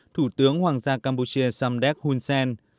thủ tướng hoàng gia campuchia samdek hun sen